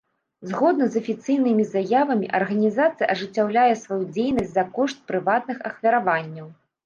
Згодна з афіцыйнымі заявамі, арганізацыя ажыццяўляе сваю дзейнасць за кошт прыватных ахвяраванняў.